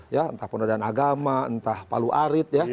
ya entah penodaan agama entah palu arit ya